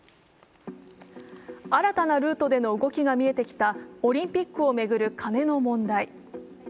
新たなルートでの動きが見えてきたオリンピックを巡るカネの問題。